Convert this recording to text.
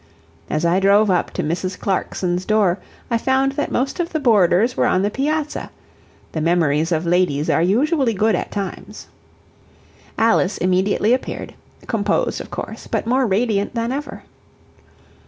As I drove up to Mrs. Clarkson's door I found that most of the boarders were on the piazza the memories of ladies are usually good at times. Alice immediately appeared, composed of course, but more radiant than ever.